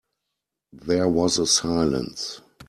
There was a silence.